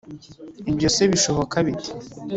Ibyo se bishoboka bite?